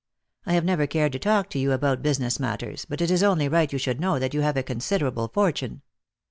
I have never cared to talk to you about business matters, but it is only right you should know that you have a considerable fortune."